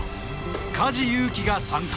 梶裕貴が参加